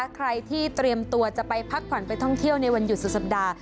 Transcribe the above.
ใครที่เตรียมตัวจะไปพักผ่อนไปท่องเที่ยวในวันหยุดสุดสัปดาห์